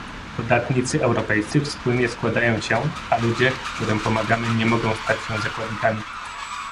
Podatnicy europejscy wspólnie składają się, a ludzie, którym pomagamy, nie mogą stać się zakładnikami